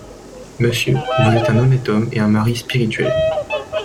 Monsieur, vous êtes un honnête homme et un mari spirituel.